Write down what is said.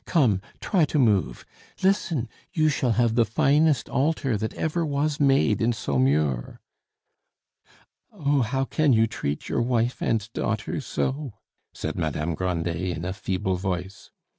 Come, try to move! Listen! you shall have the finest altar that ever was made in Saumur." "Oh, how can you treat your wife and daughter so!" said Madame Grandet in a feeble voice.